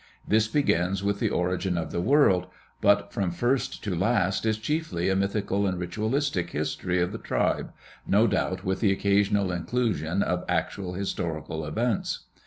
This begins with the origin of the world, but from first to last is chiefly a mythical and ritualistic history of the tribe, no doubt with the occasional inclusion of actual historical events.